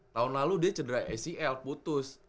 tahun lalu dia cedera acl putus